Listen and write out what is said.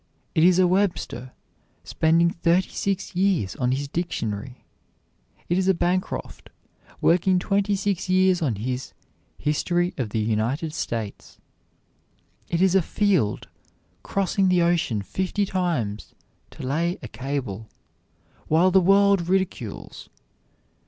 It is a Webster, spending thirty six years on his dictionary. It is a Bancroft, working twenty six years on his "History of the United States." It is a Field, crossing the ocean fifty times to lay a cable, while the world ridicules.